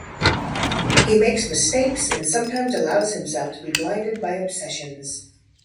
He makes mistakes and sometimes allows himself to be blinded by obsessions.